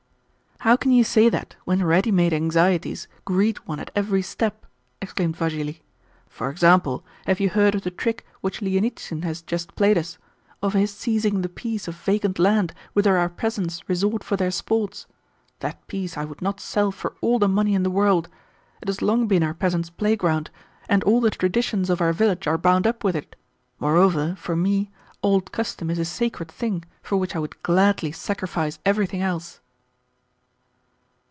"How can you say that when ready made anxieties greet one at every step?" exclaimed Vassili. "For example, have you heard of the trick which Lienitsin has just played us of his seizing the piece of vacant land whither our peasants resort for their sports? That piece I would not sell for all the money in the world. It has long been our peasants' play ground, and all the traditions of our village are bound up with it. Moreover, for me, old custom is a sacred thing for which I would gladly sacrifice everything else."